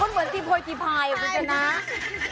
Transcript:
คุณเหมือนตีโพยทิพายวิธีนัก